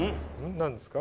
何ですか？